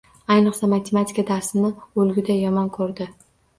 Ayniqsa, matematika darsini o‘lguday yomon ko‘rdi.